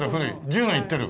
１０年いってる？